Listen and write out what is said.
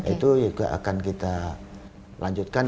itu juga akan kita lanjutkan